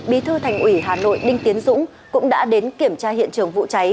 bí thư thành ủy hà nội đinh tiến dũng cũng đã đến kiểm tra hiện trường vụ cháy